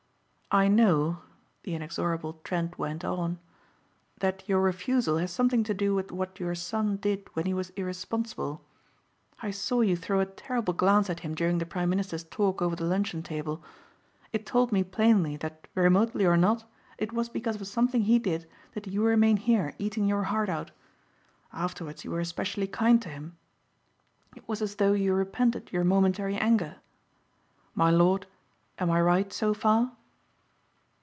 "I know," the inexorable Trent went on, "that your refusal has something to do with what your son did when he was irresponsible. I saw you throw a terrible glance at him during the prime minister's talk over the luncheon table. It told me plainly that remotely or not it was because of something he did that you remain here eating your heart out. Afterwards you were especially kind to him. It was as though you repented your momentary anger. My lord, am I right so far?"